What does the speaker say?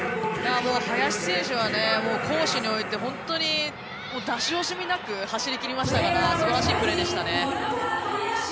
もう林選手は攻守において出し惜しみなく走りきりましたからすばらしかったですね。